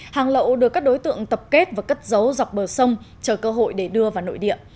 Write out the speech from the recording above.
hàng lậu được các đối tượng tập kết và cất giấu dọc bờ sông chờ cơ hội để đưa vào nội địa